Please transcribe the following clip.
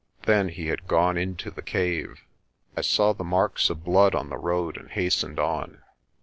Then he had gone into the cave. I saw the marks of blood on the road and hastened on.